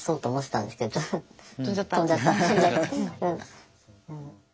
飛んじゃった。